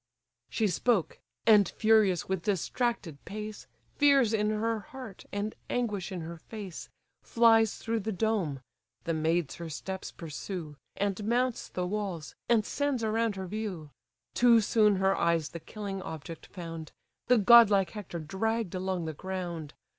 She spoke: and furious, with distracted pace, Fears in her heart, and anguish in her face, Flies through the dome (the maids her steps pursue), And mounts the walls, and sends around her view. Too soon her eyes the killing object found, The godlike Hector dragg'd along the ground.